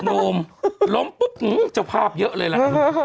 หนุ่มล้อมปุ๊บจะเผาเยอะเลยล่ะ